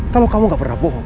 kalau kamu gak pernah bohong